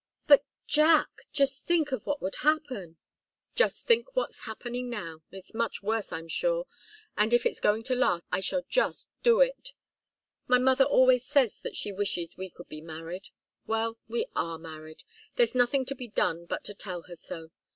"But, Jack just think of what would happen " "Well just think what's happening now. It's much worse, I'm sure, and if it's going to last, I shall just do it. My mother always says that she wishes we could be married. Well we are married. There's nothing to be done but to tell her so.